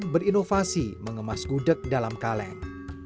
berinovasi mengemas gudeg dalam kaleng